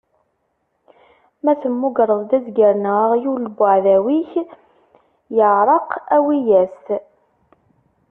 Ma temmugreḍ-d azger neɣ aɣyul n uɛdaw-ik iɛreq, awi-as-t.